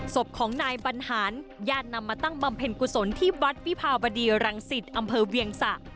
ศพของนายบรรหารญาตินำมาตั้งบำเพ็ญกุศลที่วัดวิภาบดีรังสิตอำเภอเวียงสะ